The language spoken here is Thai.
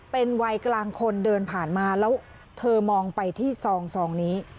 เป็นวัยกลางคนเดินผ่านมาแล้วเธอมองไปที่ซองนี้